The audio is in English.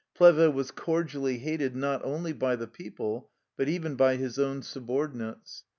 Plehve was cordially hated not only by the people, but even by his own subordinates.